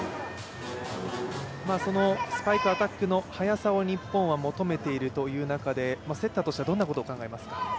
スパイクアタックの速さを日本は求めている中でセッターとしてはどんなことを考えますか？